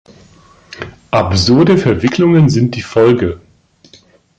Absurde Verwicklungen sind die Folge.